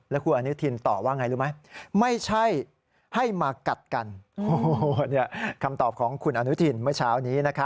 แล้วคุณอนุทินต่อว่าอย่างไรรู้ไหม